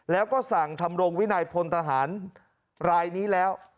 แล้วก็สั่งทำรงวินัยพลทหารรายนี้แล้ว